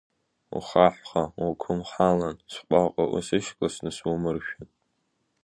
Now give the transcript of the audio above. Ухаҳәха уқәымҳалан сҟәаҟәа, усышькласны сумыршәан.